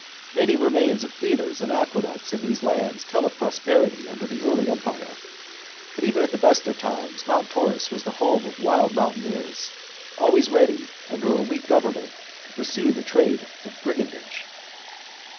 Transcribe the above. Many remains of theatres and aqueducts in these lands tell of prosperity under the early Empire ; but even at the best times Mount Taurus was the home of wild mountaineers, always ready, under a weak government, to pursue the trade of brigandage.